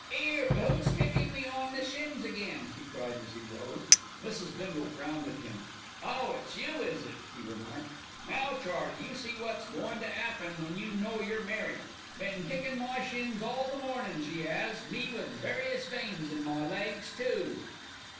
"'Ere, who's kicking me on the shins again?" he cried as he rose. Mrs. Bindle frowned at him. "Oh, it's you, is it?" he remarked. "Now, Charlie, you see what's goin' to 'appen to you now you're married. Been kickin' my shins all the mornin', she 'as, me with 'various' veins in my legs too."